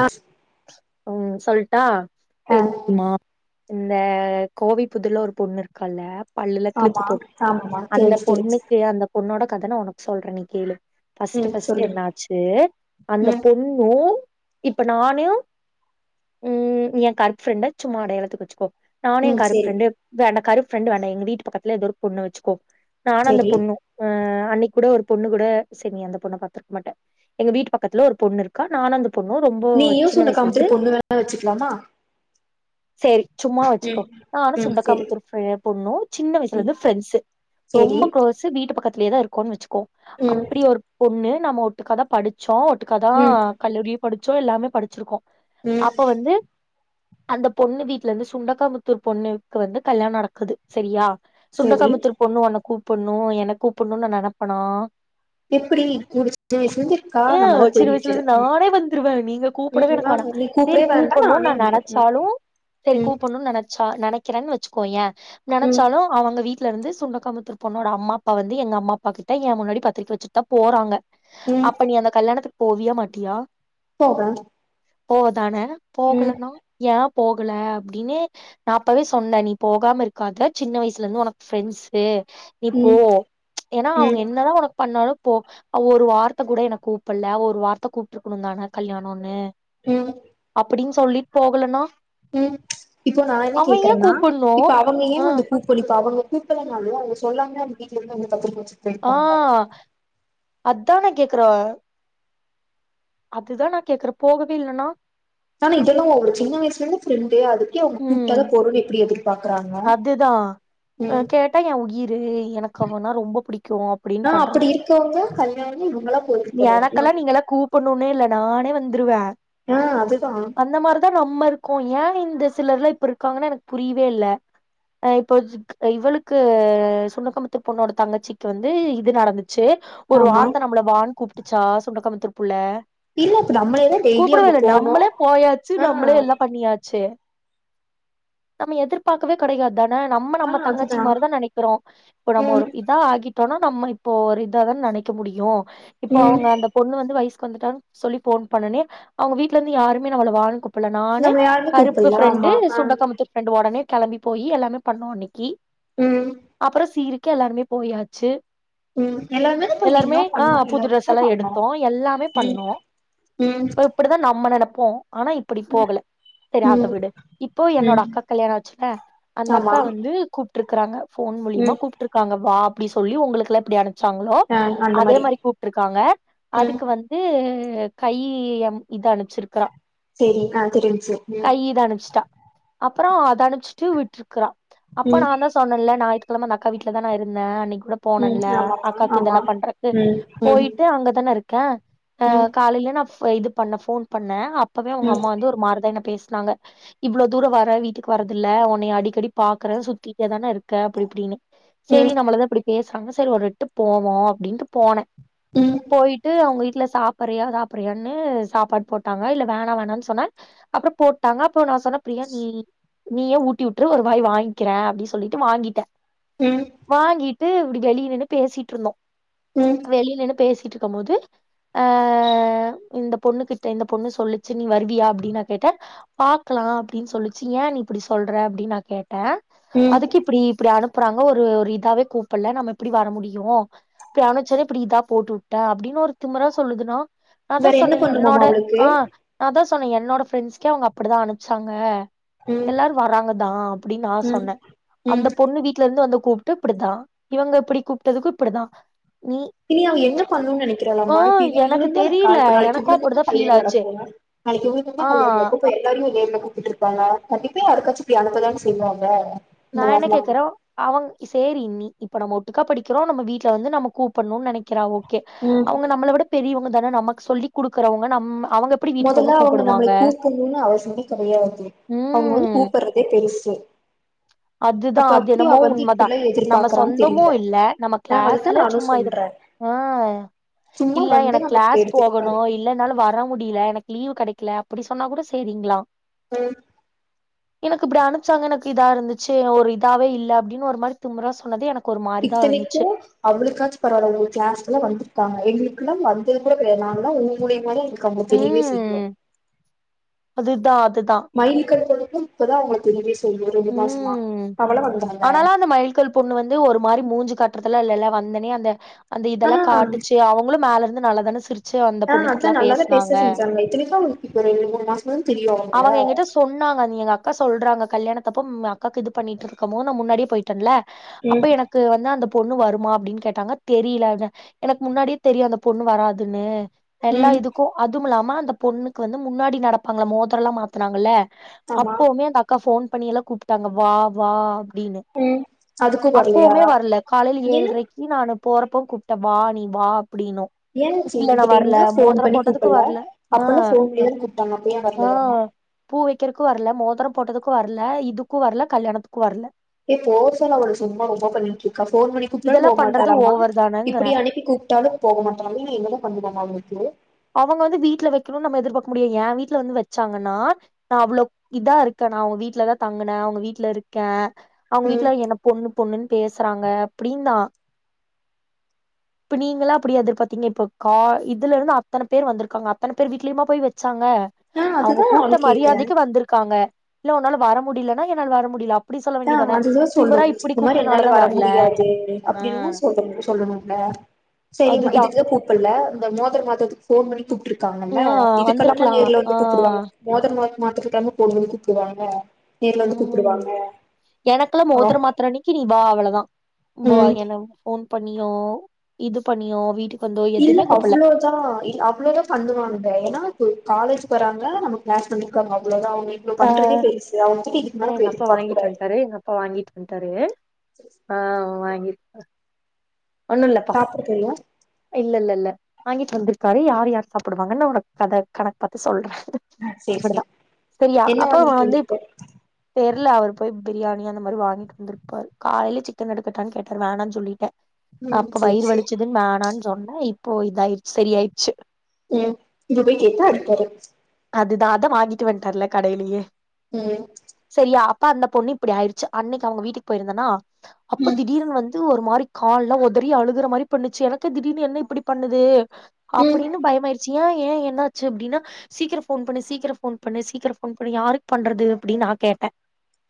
ஆ ம் சொல்ட்டா ஆ பெண் மா இந்த கோவை புதுர்ல ஒரு பொண்ணு இருக்கால பல்லுல கிளிப்பு ஆமா போட் ஆமாமா அந்த தெரிஞ்சு தெரிஞ்சு பொண்ணுக்கு அந்த பொன்னோட கத நா உனக்கு சொல்றே நீ கேளு ஃபஸ்டு ம் ஃபஸ்டு சொல்லு என்னாச்சு அந்த ம் பொண் ணு இப்ப நான் னு ம் எ கருப் ப்ரெண்ட சும்மா அடையாளத்துக்கு வச்சுக்கோ நானு எ ம் கருப் செரி ப்ரெண்டு வேண்டா கருப் ப்ரெண்ட்டு வேண்டா எங்க வீட்டு பக்கத்துல ஏதோ ஒரு பொண்ணு வச்சுக்கோ நானு அந்த செரி பொண்ணு ஆ அன்னைக் கூட ஒரு பொண்ணு கூட செரி நீ அந்த பொண்ண பாத்துருக் மாட்ட எங்க வீட்டு பக்கத்துல ஒரு பொண்ணு இருக்கா நான அந்த பொண்ணு ரொம்போ சுண்டாக்காமத்துர பொண்ணு வேணா வச்சிக்கலாமா சரி சும்மா ம் வச்சுக்கோ நானு ம் செரி சுண்டக்காமத்தூர் ஃப்ரெ பொண்ணு சின்ன வயசுல ம் இருந்து ஃப்ரெண்ட்ஸ்சு செரி ரொம்ப குளோஸ்சு வீட்டு பக்கத்திலயே தா இருக்கோன் வச்சுக்கோ ம் அப்படி ஒரு பொண்ணு நம்மோ ஒட்டுக்காதா படிச்சோ ஒட்டுக்காதா ம் கல்லூரிய படுச்சோ எல்லாமே படிச்சிருக்கோ ம் அப்ப வந்து அந்த பொண்ணு வீட்டுல இருந்து சுண்டக்காமத்தூர் பொண்ணுக்கு வந்து கல்யாண் நடக்குது சரியா செரி சுண்டக்காமுத்தூர் பொண்ணு உன்ன கூப்புண்ணு எனக் கூப்புட்ணுன் நா நனப்பனா எப்படி இவ ட் வேஷன் செஞ்சு கா ஆ நம்மதா சின்ன போயிர்க்றோ எனக் வேனா சேரி கூப்பணு நா நெனச்சாலு சரி ம் கூப்பண் னுன் நெனச்சா நெனைக்கிறேன் வச்சுக்கோய்யே ம் நெனச்சாலு அவங்க வீட் ல இருந்து சுண்டகாமுத்தூர் பொண்ணோட அம்மா அப்பா வந்து எங்க அம்மா அப்பா கிட்ட ஏ முன்னாடி பத்திரிக்க வச்சுட்தா போறாங்க ம் அப்ப நீ அந்த கல்யாணத்துக் போவியா மாட்டியா போவேன் போவதானே போகலனா ஏன் போகல அப்டின்னு நான் அப்பவே சொன்னேன் நீ போகாம இருக்காத சின்ன வயசுல இருந்து உனக்கு ஃப்ரெண்ட்ஸ் நீ போ ம் ஏனா அவங்க ம் என்னதான் உனக்கு பண்ணாலும் போ ஒரு வார்த்த கூட என கூப்ட்ல ஒரு வார்த்த கூப்ட்டுர்க்கணும் தானே கல்யாணம்ன்னு ம் அப்டின்னு சொல்லி போகலனா ம் இப்ப நான் கேக்குறேன்னா கூப்பட்ணு இப்ப அவங்க ஆ ஏன் வந்து பூ குறிப்பா அவங்க கூப்பிடல நாளும் அவங்க சொல்லாமல அவங்க வீட்ல வந்து பத்திரிக்கை வெச்சு ஆ அதான் நான் கேட்கிறேன் அதுதான் நான் கேக்குற போகவே இல்லன்னா ஆனா இதல்ல அவள சின்ன வயசுல இரு ஃப்ரண்டே அதுக்கு அவங்க ம் கூப்ட்டதா போனு எப்டி எதிர்பார்கறாங்க அதுதா கேட்டா என் உயிரு எனக்கு அவனா ரொம்ப பிடிக்கும் அப்டின்னு ஆ பண் அப்டி இருக்கவங்க கல் எனக்கெல்லாம் நீங்க எல்லாம் கூப்பண்ணும்னே இல்ல நானே வந்துருவேன் ஆ அதுதான் அந்த மாரிதான் நம்ம இருக்கோம் ஏன் இந்த சிலர்லா இப்டி இருக்காங்கன்னா எனக்கு புரியவே இல்ல இப்போ இவளுக்கு சுண்டக்கமுத்துப் பொண்ணோட தங்கச்சிக்கு வந்து இது நடந்து ச ஒரு ஆமா வார்த்த நம்மள வான் கூப்பிட்டுச்சா சுண்டக்கமத்தூர்ப்புள்ள இல்ல அப்ப நம்மளேதா டெய்லி கூப்பிடவே அங்க இல்ல போனு நம்மளே போயாச்சு ஆ நம்மளே எல்லா பண்ணியாச்சு நம்ம எதிர்பார்க்கவே கடையாது தனே நம்ம ஆ நம்ம தங்கச்சி அதுதா மாரி தான் நெனைக்கிறோம் இப்ப நம்ம ம் ஒரு ஆகிட்டோம்னா நம்ம இப்போ ஒரு இத தான் நெனைக்க முடியும் இப்போ ம் அவங்க அந்த பொண்ணு வந்து வயசுக்கு வந்துட்டான் சொல்லி போன் பண்ணே அவங்க வீட்ல இருந்து யாரும நம்மள வான்னு ப்ல நானு நம்ம யாருமே கருப்பு கூப்பல்ல ஃபிரெண்ட்டு ஆமா ஆ சுண்டக்கமத்து ஃபரெண்டு உடனே கிளம்பி போய் எல்லாமே பண்ணோ அன்னைக்கி ம் அப்பறம் சீரு க்கு எல்லாருமே போயாச்சு ம் எல்லாருமே த போய் நீ எல்லாருமே இன்னும் ஆ பண்ண புது ட்ரெஸ் எல்லாரருட்ட எல்லா பண்ணு எடுத்தோ ம் இப்டிதான் நம்ம நினைப்போம் ஆனா இப்டி போகல செரி ம் அத வீடு இப்போ ம் என்னோட அக்கா கல்யாணம் ஆச்சு அந்த ஆமா அக்கா வந்து கூப்ட்டுருக்கறாங்க போன் மூலியமா ம் கூப்ட்டுருக் க்காங்க வா அப்டினு சொல்லி உங்களுக்கு எல்லா எப்டி அனுச்சாங்களோ ஆ அந்த அதே மாரி கூப்பிருக்காங்க ம் அதுக்கு வந்து இது கைய அமுக்கி இதா அனுப்பிச்சிருக்கா சேரி ஆ தெரிஞ்ச்சு ம் கையது அணச்சிட்டா அப்றோ அத அணச்சிட்டு விட்ருக்கறா அப்போ ம் நா தா சொன்னேல்ல ஞாயித்துக்கெழம அந்த அக்கா வீட்ல தானெ நா இருந்தே அன்னைக்கி கூட ம் போனன்ல ஆமாமா அக்காக்கு ஆமா இதெல்லா பண்றக்கு ம் ம் போய்ட்டு அங்கதானே இருக் க ம் காலையில நா இது பண்ணே ஃபோன் பண்ணே இப்பவே உங்க ம் அம்மா வந்து ஒரு மாரி தா என்ன பேசினாங்க இவ்ளவு தூரம் வர வீட்டுக்கு வரது இல்ல ஒன்னய அடிக்கடி பாக்குறே சுத்திட்டே தானே இருக்க அப்டி இப்டின்னு சரி ம் நம்மளதா இப்டி பேசாம செரி ஒரு எட்டு போவோம் அப்டின்ட்டு போனே ம் போய்ட்டு அவுங்க வீட்ல சாப் வரியா சாப்ரியானு சாப்பாடு போட்டாங்க இல்ல வேணா வேணான்னு சொன்னெ அப்பறம் போட்டாங்க அப்போ நா சொன்னெ பிரியா நீ நீயே ஊட்டி விட்டுறு ஒரு வாய் வாங்கிக்கிறே அப்டினு சொல்லிட்டு வாங்கிட்டே ம் வாங்கிட்டு இப்டி வெளிய நின்னு பேசிட்ருந்தோ ம் வெளிய நின்னு பேசிட்ருக்கும் போது அ இந்த பொண்ணு கிட்ட இந்த பொண்ணு சொல்லுச்சு நீ வருவியா அப்டின் நா கேட்டே பாக்கலா அப்டின் சொல்லிச்சு ஏ இப்டி சொல்ற அப்டினு நா கேட்ட ம் அதுக்கு இப்டி இப்டி அனுப் பறாங்க ஒரு ஒரு இதாவே கூப்பல்ல நம்ம எப்டி வர முடியு இப்டி அனுப்ச்சது இப்டி இதா போட்டுட்ட அப்டினு ஒரு திமிறா சொல்லுதுன்னா நா அதா வேற என்ன சொன்ன பண்ணுமாமா என்னோட அவளுக்கு ஆ அதா சொன்னே என்னோட ஃப்ரெண்ட்ஸ்க்கே அவுங்க அப்டிதா அனுப்ச்சாங்க ம் எல்லாரு வர்றாங்கதா அப்டின் நா ம் சொன்ன ம் அந்த பொண்ணு வீட்ல இருந்து வந்து கூப் ட்டு இப்டித்தா இவுங்க இப்டி கூப்டதுக்கு இப்டிதா நீ இனி அவ என்ன பண்ணுனு ஆ நெனைக்கிறாலாமா இப்ப இ எனக்கு இவுளுந்தா இருக்கா தெரில நாளைக்கு எனக்கு அப்டிதா இவுளுக்குந்தா ஃபீல் கல்யாண ஆச்சு நடக்கு நாளைக்கி இவுளுக்குந்தா கல்யாண ஆ நடக்கு அப்ப எல்லாருமே இதே மாரி கூப்ட்டுட்ருப் பாளா கண்டிப்பா யாருக்காச்சு இப்டி அனுப்பதான செய்வாங்க இந்த நா என்ன மாரிலா கேக்கறோ அவங் சேரி நி இப்ப நம்ம ஒட்டுக்கா படிக்கிறோ நம்ம வீட்ல வந்து நம்ம கூப்பன்னுன் நெனக்கிறா ஓகே ம் அவுங்க நம்மள விட பெரியவங்க தான நமக்கு சொல்லி குடுக்குறவங்க நம் அவங்க எப்டி வீட்டுக்கு மொதல்ல வந்து அவுங்க கூப்புடுவாங்க நம்மளய கூப்புண்ணுனு அவசியமே கெடையாது அவுங்க வந்து ம் கூப்பறதே பெருசு அதுதா அப்ப அது அப்டி அவ என்னமோ வந்து உண்மதா இப்பில்லா நம்ம எதிர்பார்க்கறான்னு சொந்தமு தெரில இல்ல நம்ம ஆ அதுதா கிளாஸ்ல நானு சும்மா இத சொல்றே ஆ சும்மா இல்ல வந்து எனக்கு நமக்கு கிளாஸ் எடுத்துட்டு போகணு போய் இல்ல என்னால வ ர முடில எனக்கு லீவ் கெடைக்கல அப்டி சொன்னா கூட சேரிங்களா ம் எனக்கு இப்டி அனுச்சாங்க எனக்கு இதா இருந்துச்சு ஒரு இதாவே இல்ல அப்டினு ஒரு மாரி திமிறா சொன்னது எனக் இத்தனைக்கு அவளுக்காச்சு பரவால உங்கு கிளாஸ்க்கெலா வந்துருக்காங்க எங்களுக்கெல்லா வந்தது கூட தெரியாது நான்லா உ மூலியமாத என க்கு அவங்கள தெரியவே செய்யு ம் அதுதா அதுதா மயில் கட் பண்ணது இப்பதா அவுங்கள தெரியவே செய்யு ரெண்டு மாசமா அவளா வந்தாலா மைல் கள் பொண்ணு வந்து ஒரு மாரி மூஞ்சி காட்டறதுலா இல்லல்ல வந்தொனே அந்த அந்த ஆ இதெல்லா காட்டுச்சு அவுங்களு மேல இருந்து நல்லா தான சிரிச்சு வந் ஆ அதா நல்லாவே பேச செஞ்சாங்க இத்தனைக்கு அவுங்களுக்கு இப்ப ஒரு ரெண்டு மூணு மாசமாதான தெரியு அவுங்கள அவங்க என்கிட்ட சொன்னாங்க அண்ணியலா அக்கா சொல்றாங்க கல்யாணத்தப்ப அக்காக்கு இது பண்ணிட்டு இருக்கும் போது நா முன்னாடியே போய்ட்டன்ல அப்ப ம் எனக் கு வந்து அந்த பொண்ணு வருமா அப்டினு கேட்டாங்க தெரியலன எனக்கு முன்னாடியே தெரியு அந்த பொண்ணு வராதுன்னு எல்லா ம் இதுக்கு அதுமில்லாம அந்த பொண்ணுக்கு வந்து முன்னாடி நடப்பாங்கள மோதிரல்லா மாத்துனாங்கல்ல ஆமா அப்பவுமே அந்த அக்கா ஃபோன் பண்ணி எல்லா கூப்ட்டாங்க வா வா அப்டினு ம் அதுக்கு வரலையா அப்பவுமே வரல காலைல ஏ ஏழ்ரைக் கு நானு போறப்ப கூப்ட்ட வா நீ வா அப்டினு ஏ இல்ல நா இந்த டைம் வர்ல தா ஃபோன் மோதிர பண்ணி போட்டதுக்கு கூப்பல்ல வர்ல ஆ அப்பல்லா ஃபோன்லயே தா கூப்ட்டாங்க அப்ப ஏ ஆ வரலையாமா பூ வெக்கறக்கு வர்ல மோதர போட்டதுக்கு வர்ல இதுக்கு வர்ல கல்யாணத்துக்கு வர்ல ஏ போ சொல்லு அவள சும்மா ரொம்ப பண்ணிட்ருக்கா ஃபோன் பண்ணி கூப்ட்டாலு இதெல்லா போ பண்றது மாட்டாளாமா ஓவர் தானங்கறே இப்பிடி அனுப்பி கூப்ட்டாலு போக மாட்டா இனி என்னதா பண்ணனு அவளுக்கு அவங்க வந்து வீட்ல வெக்கணுனு நம்ம எதிர்பாக்க முடியா ஏ வீட்ல வந்து வெச்சாங்கன்னா நா அவ்ளோ இதா இருக்கே நா அவுங்க வீட்டுலதா தங்குனே அவுங்க வீட்டுல இருக்கே அவுங்க ம் வீட்டுல என்ன ப பொண்ணு பொண்ணுன்னு பேசுறாங்க அப்டின்னா இப்ப நீங்களா அப்டியா எதிர் பாத்தீங்க இப்ப கால் இதுலருந்து அத்தன பேர் வந்திருக்காங்க அத்தன பேர் வீட்லயுமா போய் வச்சாங்க ஆ அவங்க அதுதா கூப்ட்ட அவளுக்கு கேக்குறே மரியாதைக்கு வந்திருக்காங்க உன்னால வர முடிலன்னா என்னால வர முடியல அப்டி சொல்ல ஆஹ் வேண்டியதான அதுதா சொல்ணு திமிரா இப்டி இந்த மாரி என்னால கூப்ட்டனாலதா வர வரல முடியாது ஆ அப்டின்னு சொல்லுனு சொல்லுனுல சேரிம்மா அதுதா இதுக்கு கூப் இல்ல இந்த மோதிரோ மாத்துரக்கு ஃபோன் பண்ணி கூப்ட்டு இருக்காங்கல்ல ஆ இதுக்கு எல்லாமா வந்திருக்கலா நேர்ல ஆ வந்து கூப்டுவாங்க மோதிரோ மாத் மாத்துறக்குலாமா ஃபோன் பண்ணி கூப்பிடுவாங்க நேர்ல வந்து கூப்டுவாங்க எனக்குல்லா மோதிரோ மாத்திர அன்னைக்கு நீ வா அவ்ளதா வா ம் என்ன ஃபோன் பண்ணியோ இது பண்ணியோ வீட்டுக் இல்ல அவ்ளோது நா அவ்ளதா பண்ணுவாங்க ஏன்னா இப்ப காலேஜ்க்கு வராங்க நமக்கு கிளாஸ் பண்ணிருக்காங்க அவ்ளோதா இவ்ளோ ஆ பண்ரதே பெருசு அவுங்ககிட்ட இதுக்குமேல நம்ம எதிர்பாக்க கூடாது நெறைய எங்க அப்பா வாங்கிட்டு போயிட்டாரு ஆஹ் வாங்கிட்டு ஒன்னுல்லப்பா சாப்ட தெரியு இல்ல இல்ல இல்ல வாங்கிட்டு வந்திருக்காரு யார் யார் சாப்பிடுவாங்கன்னு நா உனக்கு கணக்கு பாத்து சொல்றே ஆ சேரி இப்டிதா சேரி என்ன வாங்கிட்டு வந்துட்டு வந்திருப்பாரு தெருல அவர் போய் பிரியாணி அந்த மாரி வாங்கிட்டு வந்திருப்பாரு காலையிலே சிக்கன் எடுக்கட்டான்னு கேட்டாரு வேணான்னு சொல்லிட்டே ம் அப்ப சேரி வயிறு சேரி வலிச்சுதுன்னு வேணான்னு சொன்னே இப்போ இதாயிடுச்சு சரியாயிடுச்சு உம் இப்ப போய் கேட்டா எடுத்துக்குவாரு அதுதா அதா வாங்கிட்டு வன்ட்டாறுல கடயிலயே உம் சரியா அப்ப அந்த பொண்ணு இப்டி ஆயிடுச்சு அன்னைக்கு அவுங்க வீட்டுக்கு போயிருந்தேனா அப்போ ம் திடீரனு வந்து ஒரு மாரி கால் உதறி அழுகுற மாரி பண்ணுச்சு எனக்கு திடீர்னு என்ன இப்டி பண்ணுது ம் அப்டின்னு பயமியிடுச்சு ஏ ஏ என்னாச்சு அப்டின்னா சீக்கிரோ ஃபோன் பண்ணு சீக்கிரோ ஃபோன் பண்ணு சீக்கிரோ ஃபோன் பண்ணு யார்க்கு பண்றது அப்டின்னு நா கேட்டே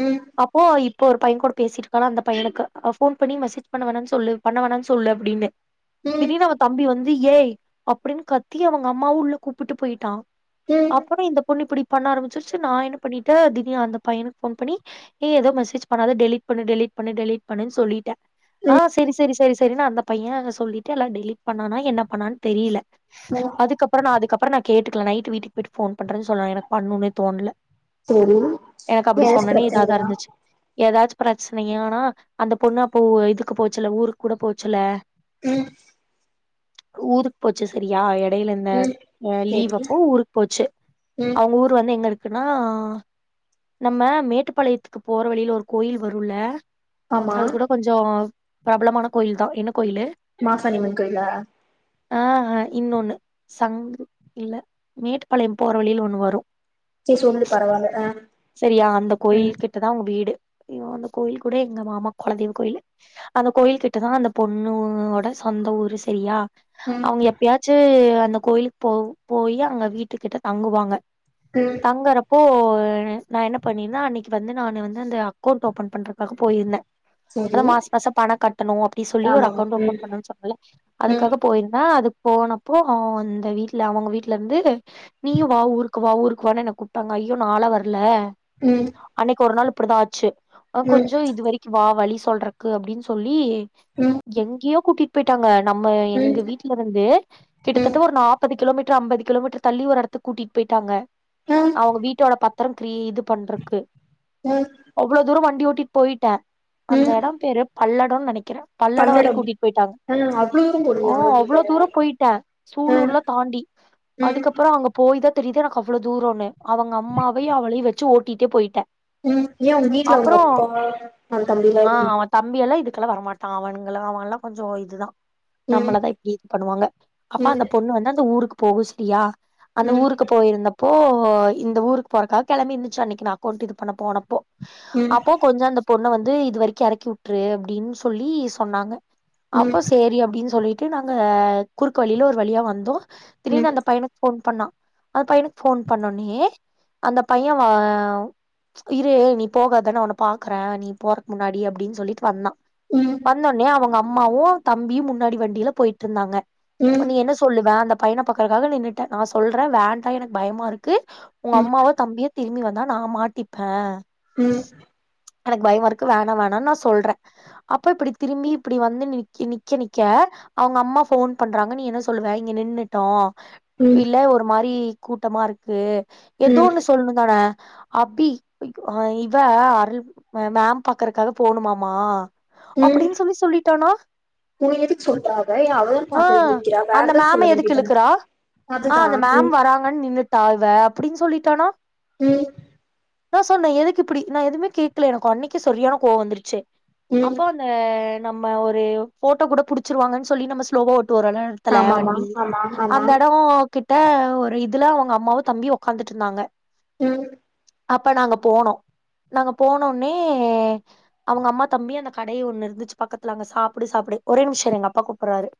ம் அப்போ ஆயில் இப்போ ஒரு பையே கூட பேசிட்டு இருக்காள அந்த பையனுக்கு ஃபோன் பண்ணி மெசேஜ் பண்ண வேணானு சொல்லு பண்ண வேணான்னு சொல்லு அப்டின்னு ம் திடீர்னு அவ தம்பி வந்து ஏய் அப்டின்னு கத்தி அவங்க அம்மாவ உள்ளகூப்பிட்டு போய்ட்டா ம் அப்புறோ இந்த பொண்ணு இப்டி பண்ண ஆரம்பிச்சிருச்சு நா என்ன பண்ணிட்டே தீடீர்னு அந்த பையனுக்கு ஃபோன் பண்ணி நீ எது மெசேஜ் பண்ணாத டெலிட் பண்ணு டெலிட் பண்ணு டெலிட் பண்ணு சொல்லிட்டே ம் ஆஹ் சேரி சேரி சேரி சேரினு அந்த பையே சொல்லிட்டு எல்லா டெலிட் பண்ணானா என்ன பண்ணான்னு தெரியல ம் அதுக்கப்றோ நா அதுக்கப்புறோ நா கேட்டுக்கல நைட்டு வீட்டுக்கு போய்ட்டு ஃபோன் பண்ணுறே சொன்னே எனக்கு பண்ணுன்னே தோணுல சேரி எனக்கு அப்டி கேஸ் சொன்னனே இதா தா பிரச்சனையா இருந்துச்சு எதாச்சு பிரச்சனைஆனா அந்த பொண்ணு அப்போ இதுக்கு போச்சுல்ல ஊருக்கு கூட போச்சுல உம் ஊருக்கு போச்சு சரியா இடையில இந்த ம் ஹ் லீவ் சேரி அப்ப அப்போ ஊருக்கு போச்சு ம் அவுங்க ஊர் வந்து எங்க இருக்குன்னா நம்ம மேட்டுப்பாளையத்துக்கு போற வழியில ஒரு கோயில் வரூல்ல ஆமா அது கூட கொஞ்சோ பிரபலமான கோயில் தா என்ன கோயிலு மாசானியம்மன் கோயில்லா ஆ இன்னொன்னு சங் இல்ல மேட்டுப்பாளையோ போற வழியில ஒண்ணு வரு சேரி சொல்லு பரவால்ல ஆ சரியா அந்த ம் கோயிலுக்கிட் தா அவுங்க வீடு அய்யோ அந்த கோயில் கூட எங்க மாமா குலதெய்வ கோயிலு அந்த கோயில்கிட்டதா அந்த பொண்ணோட சொந்த ஊரு சரியா ம் அவங்க எப்பயாச்சு அந்த கோயிலுக்கு போ போயி அங்க வீட்டு கிட்ட தங்குவாங்க ம் தங்கறப்போ நா என்ன பண்ணிருந்தே அன்னைக்கு வந்து நானு வந்து அந்த அக்கவுண்ட் ஓபன் பண்றக்காக போயிருந்தே அதா சேரி மாச மாச பணக் கட்டணு அப்புடி சொல்லி ஒரு ஆமாமா அக்கவுண்ட் ம் ஓப்பன் பண்ணுன் சொன்னல்ல ம் அதுக்காக போயிருந்தே அதுக்கு போனப்போ ஓ அந்த வீட்ல அவங்க வீட்டு ட்ல இருந்து நீயு வா ஊருக்கு வா ஊருக்குவானு என்ன கூப்ட்டாங்க ஐயோ நால்லா வர்ல ம் அன்னைக்கு ஒரு நாள் இப்புடிதா ஆச்சு அ ம் கொஞ்சோ இது வெரிக்கு வா வழி சொல்றக்கு அப்புடின்னு சொல்லி ம் எங்கயோ கூட்டிட்டு போயிட்டாங்க நம்ம ம் எங்க வீட்ல இருந்தே ம் கிட்டத்தட்ட ஒரு நாப் ப்பது கிலோமீட்டர் அம்பது கிலோமீட்டர் தள்ளி ஒரு எடத்துக்கு கூட்டிட்டு போயிட்டாங்க ம் ம் அவங்க வீட்டோட பத் த்தரம் க்ரி இது பண்றக்கு ம் அவ்ளோ தூரோ வண்டி ஓட்டிட்டு போயிட்ட அந்த ம் எடோம் பேரு பல்லடோன் நெனைக்கிற பல்லடோ வரைக் பல்லடம் கூட்டிட்டு போயிட்டாங்க ஆ அவ்ளோ தூரம் போனியா ஓ வண்டில அவ்ளோ தூரம் போயிட்ட ஆ சூலூர்லா தாண்டி ம் ம் அதுக்கப்புறோ அங்க போயி தா தெரியுது எனக்கு அவ்ளோ தூரோன்னு அவங்க அம்மாவையு அவளையு வெச் ச்சி ஓட்டிட்டே போயிட்ட ம் ஏ உங்க வீட்ல உங்க அப்பா அ தம்பிலா [inaudible] தம்பியெல்லா இதுக்கல்லா வரமாட்டா அவனுங்கலா அவன் லா கொஞ்சோ இதுதா ம் நம்மளதா இப்டி இது பண்ணுவாங்க அப்ப ம் அந்த பொண்ணு வந்து அந்த ஊருக்கு போகு சரியா அந்த ம் ம் ஊருக்கு போயிருந்தப்போ இந்த ஊருக்கு போறக்காக கெளம்பி இருந்துச்சு அன்னைக்கு நா அக்கவுண்ட் இது பண்ண போனப்போ ம் அப்போ கொஞ்ச அந்த பொண்ண வந்து இது வரிக்கு எறக்கி உட்ரு அப்டின்னு சொல்லி சொன்னாங்க அப்போ ம் செரி அப்டின்னு சொல்லிட்டு நாங்க குறுக்கு வழியில ஒரு வழியா வந்தோ ம் திடீர்னு அந்த பையனுக்கு ஃபோன் பண்ணா அந்த பையனுக்கு ஃபோன் பண்ணோன்னயே அந்த பைய வா வ் இரு நீ போகாதா நா உன்ன பாக்குற நீ போறக்கு முன்னாடி அப்புடின் சொல்லிட்டு வந்தா ம் வந்தோனையே அவங்க அம்மாவு தம்பியு முன்னாடி வண்டியில போயிட்ருந்தாங்க ப்ப நீ என்ன சொல்லுவ அந்த பையன பாக்கறக்காக நின்னுட்ட நா சொல்ற வேண்டா எனக்கு பயமா இருக்கு உங்க ம் அம்மாவோ தம்பியோ திரும்பி வந்தா நா மாட்டிப்ப ம் எனக்கு பயமா இருக்கு வேணா வேணான் நா சொல்றே அப்ப இப்புடி திரும்பி இப்புடி வந்து நிக்கி நிக்க நிக்க அவங்க அம்மா ஃபோன் பண்றாங்க நீ என்ன சொல்லுவ இங்க நின்னுட் டோ ம் க்கு ம் இல்ல ஒரு மாரி கூட்டமா இருக்கு ம் ஏதோன்னு சொல்ணு தானே அபி ஆ இவ அருள் அ மேம் பாக்கறக்காக போணுமாமா அப்புடின்னு சொல்லி சொல்லிட்டானா உங்குளுக் எதுக் சொல்றா அவ ஏ அவளும் பாக்கதுக் நிக்கிறா வேற எதாச் சொல்ல வேண்டி சிழுக்குறா ஆ அந்த மேம் வராங்கன்னு நின்னுட்டா இவ அப்புடின் சொல்லிட்டானா ம் நா சொன்ன எதுக்கு இப்புடி நா எதுவுமே கேக்குல எனக்கு அன்னைக்கே சரியான கோவோ வந்துருச்சு ம் அப்போ அந்த நம்ம ஒரு ஃபோட்டோ கூட புடிச்சிருவாங்கன் சொல்லி நம்ம ஸ்லோவா ஓட்டு வரோல்ல த்துல ஆமாமா வண்டி ஆமா ஆமா அந்த எடோ கிட்ட ஒரு இதுல அவங்க அம்மாவு தம்பியு ஒக்காந்துட்ருந்தாங்க ம் அப்ப நாங்க போனோ நாங்க போனோன்னே அவுங்க அம்மா தம்பி அந்த கடைய ஒண்ணுருந்துச்சு பக்கத்துல அங்க சாப்டு சாப்டு ஒரே நிமிஷோ இருங்க எங்க அப்பா கூப்பிட்றாரு